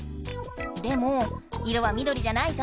でも色は緑じゃないぞ。